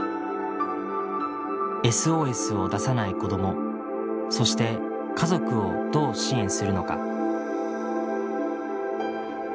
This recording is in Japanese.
ＳＯＳを出さない子どもそして家族をどう支援するのか。